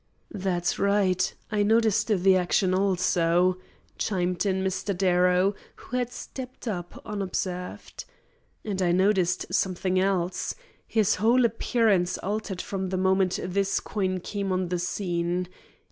"That's right. I noticed the action also," chimed in Mr. Darrow, who had stepped up, unobserved. "And I noticed something else. His whole appearance altered from the moment this coin came on the scene.